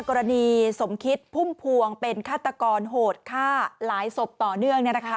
กรณีสมคิดพุ่มพวงเป็นฆาตกรโหดฆ่าหลายศพต่อเนื่อง